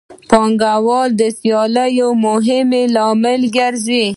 د پانګوالو سیالي یو مهم لامل ګرځي